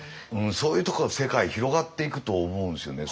そういうところの世界広がっていくと思うんですよね。